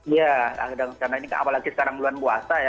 iya karena ini apalagi sekarang bulan puasa ya